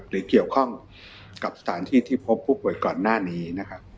หรือเกี่ยวข้องกับสถานที่ที่พบผู้ป่วยก่อนหน้านี้นะครับ